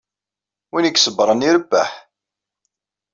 Win i iṣebbren irebbeḥ.